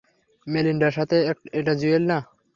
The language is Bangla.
মেলিন্ডার সাথে এটা জুয়েল না?